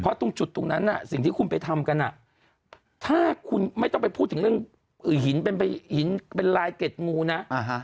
ตรงจุดตรงนั้นสิ่งที่คุณไปทำกันถ้าคุณไม่ต้องไปพูดถึงเรื่องหินเป็นหินเป็นลายเกร็ดงูนะ